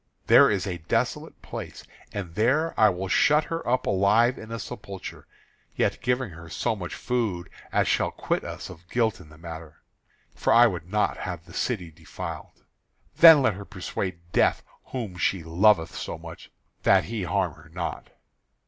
"There is a desolate place, and there I will shut her up alive in a sepulchre; yet giving her so much of food as shall quit us of guilt in the matter, for I would not have the city defiled. There let her persuade Death whom she loveth so much, that he harm her not."